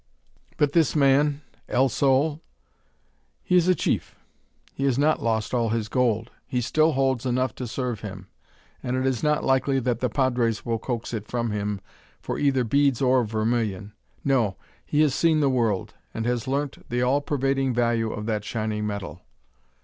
"But this man? El Sol?" "He is a chief. He has not lost all his gold. He still holds enough to serve him, and it is not likely that the padres will coax it from him for either beads or vermilion. No; he has seen the world, and has learnt the all pervading value of that shining metal."